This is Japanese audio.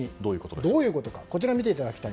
どういうことか。